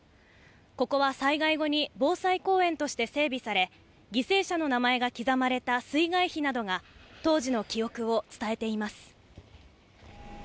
ここは災害後に、防災公園として整備され、犠牲者の名前が刻まれた水害碑などが、当時の記憶を伝えています。